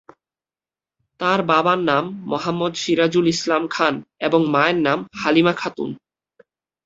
তার বাবার নাম মোহাম্মদ সিরাজুল ইসলাম খান এবং মায়ের নাম হালিমা খাতুন।